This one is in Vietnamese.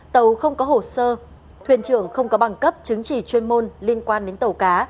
tàu không có hồ sơ thuyền trưởng không có bằng cấp chứng chỉ chuyên môn liên quan đến tàu cá